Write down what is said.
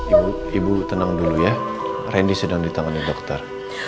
ibu ibu tenang dulu ya randy sedang ditangani dokter